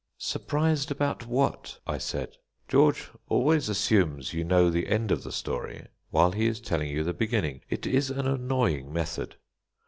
"Surprised about what?" I said. George always assumes you know the end of the story while he is telling you the beginning; it is an annoying method.